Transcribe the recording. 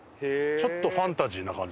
ちょっとファンタジーな感じ？